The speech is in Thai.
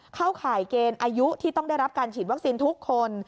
เข้าข่ายเกณฑ์อายุที่ต้องได้รับการฉีดวัคซีนทุกคน